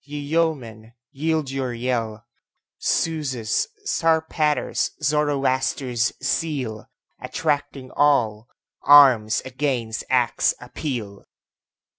ye yeomen, yield your yell! Zeus', Zarpater's, Zoroaster's zeal, Attracting all, arms against acts appeal!